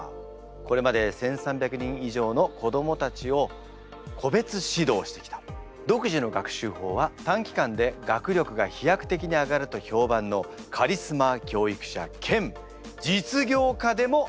これまで１，３００人以上の子どもたちを個別指導してきた独自の学習法は短期間で学力が飛躍的に上がると評判のカリスマ教育者兼実業家でもあります。